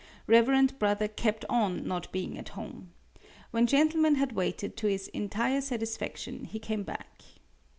Reverend brother kept on not being at home. When gentleman had waited to his entire satisfaction he came back.